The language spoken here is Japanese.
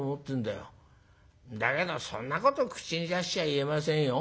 だけどそんなこと口に出しちゃ言えませんよ。